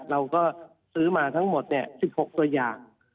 เราก็ซื้อมาทั้งหมด๑๖ตัวอย่าง